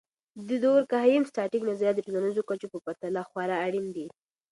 د دورکهايم.static نظریات د ټولنیزو کچو په پرتله خورا اړین دي.